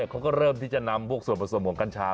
เขาก็เริ่มที่จะนำพวกส่วนผสมของกัญชา